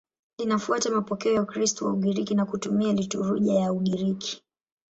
Linafuata mapokeo ya Ukristo wa Ugiriki na kutumia liturujia ya Ugiriki.